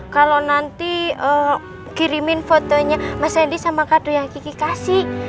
kalau nanti kirimin fotonya mas henry sama kado yang kiki kasih